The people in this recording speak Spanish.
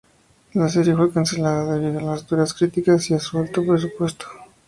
La serie fue cancelada debido a las duras críticas y a su alto presupuesto.